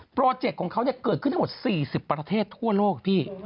โปรเจกต์เกิดขึ้นได้หมด๔๐ประเทศทั่วโลก